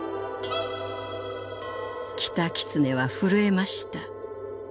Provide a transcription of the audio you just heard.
キタキツネはふるえました。